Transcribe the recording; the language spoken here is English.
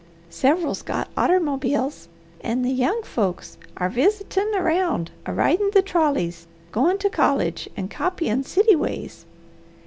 Several's got autermobiles, and the young folks are visitin' around a ridin' the trolleys, goin' to college, and copyin' city ways.